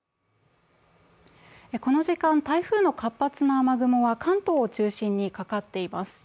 この時間、台風の活発な雨雲は関東を中心にかかっています。